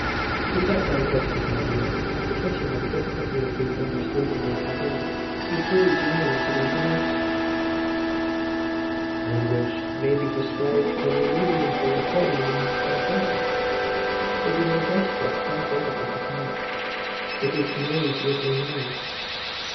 He sat down close beside me, and, after touching on the difficulty of being understood in a tavern, he drew genially to these remarks "Language may be described as a medium for recording one's sensations. It is gesture translated into sound. It is noise with a meaning.